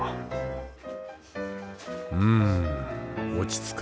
うん落ち着く。